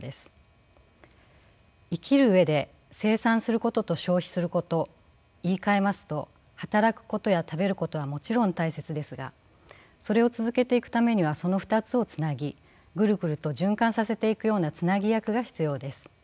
生きる上で生産することと消費すること言いかえますと働くことや食べることはもちろん大切ですがそれを続けていくためにはその２つをつなぎぐるぐると循環させていくようなつなぎ役が必要です。